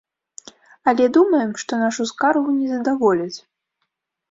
Але думаем, што нашу скаргу не задаволяць.